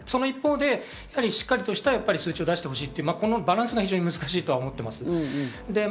その一方でしっかりした数字を出してほしいというのは、このバランスは難しいと思います。